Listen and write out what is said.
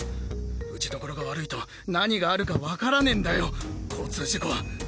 打ち所が悪いと何があるかわからねぇんだよ交通事故は。